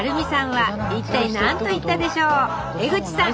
江口さん